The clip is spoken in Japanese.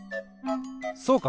そうか！